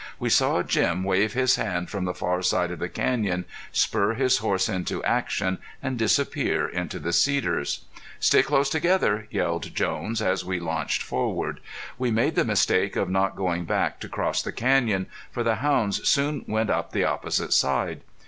We saw Jim wave his hand from the far side of the canyon, spur his horse into action, and disappear into the cedars. "Stick close together," yelled Jones, as we launched forward. We made the mistake of not going back to cross the canyon, for the hounds soon went up the opposite side.